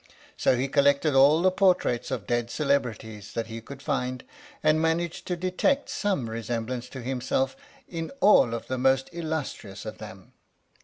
So he collected all the portraits of dead celebrities that he could find, and managed to detect some re semblance to himself in all of the most illustrious of them.